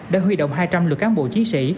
đã huy động hai trăm linh lực cán bộ chí sĩ